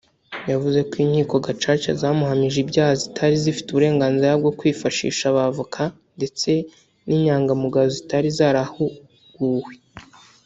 yavuze ko Inkiko Gacaca zamuhamije ibyaha zitari zifite uburenganzira bwo kwifashisha abavoka ndetse n’Inyamangamugayo zitari zarahuguwe